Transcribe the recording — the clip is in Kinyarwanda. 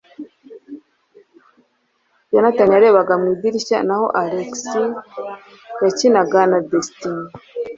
Yonatani yarebaga mu idirishya naho Alex yakinaga na Destiny.